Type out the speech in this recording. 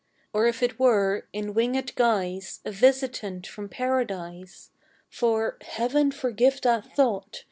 Or if it were, in wingèd guise, A visitant from Paradise: For Heaven forgive that thought!